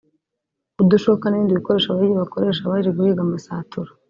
udushoka n’ibindi bikoresho abahigi bakoresha bari guhiga amasatura